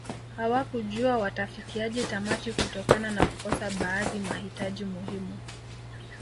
Hawakujua watafikiaje tamati kutokana na kukosa baadhi mahitaji muhimu